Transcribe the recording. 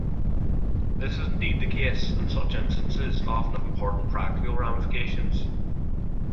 This is indeed the case, and such instances often have important practical ramifications.